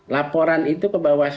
laporan itu kebawasan